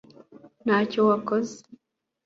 ntacyo wakoze